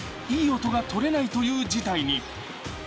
音が録れないという事態に。